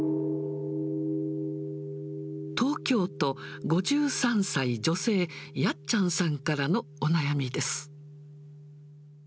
東京都、５３歳女性、やっちゃんさんからのお悩みです。